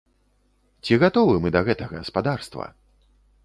Ці гатовы мы да гэтага, спадарства?